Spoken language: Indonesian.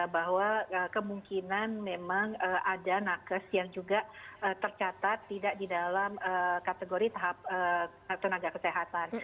bahwa kemungkinan memang ada nakes yang juga tercatat tidak di dalam kategori tahap tenaga kesehatan